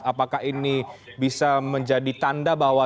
apakah ini bisa menjadi tanda bahwa